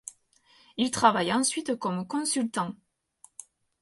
Il travaille ensuite comme consultant.